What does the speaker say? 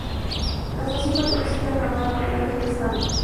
La estación pertenece al ramal La Plata y Lezama.